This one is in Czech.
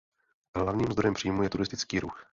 Hlavním zdrojem příjmů je turistický ruch.